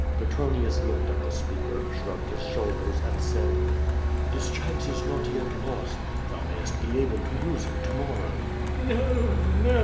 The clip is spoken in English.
Petronius looked at the speaker, shrugged his shoulders, and said: "This chance is not yet lost. Thou mayest be able to use it to morrow." "No, no!"